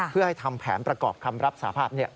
เพื่อให้ทำแผนประกอบคำรับสาภาพ